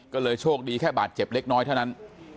ก็เลยโชคดีแค่บาดเจ็บเล็กน้อยเท่านั้น